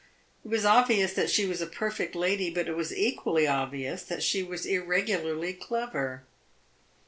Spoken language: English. It was obvious that she was a perfect lady, but it was equally obvious that she was irregularly clever.